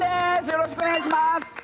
よろしくお願いします！